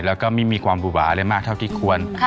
แล้วก็ไม่มีความบุหวาอะไรมากเท่าที่ควร